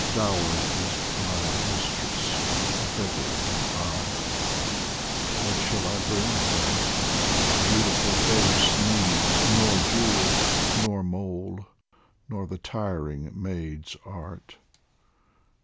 Dowered is my mistress, a beggar am I ; What shall I bring her ? a beautiful face Needs nor jewel nor mole nor the tiring maid's art.